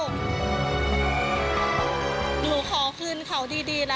ควิทยาลัยเชียร์สวัสดีครับ